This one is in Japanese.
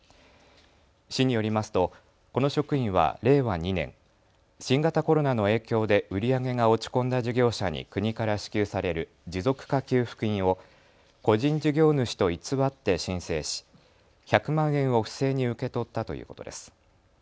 市によりますとこの職員は令和２年、新型コロナの影響で売り上げが落ち込んだ事業者に国から支給される持続化給付金を個人事業主と偽って申請し１００万円を不正に受け取ったということです。